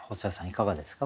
いかがですか？